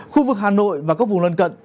khu vực hà nội và các vùng lân cận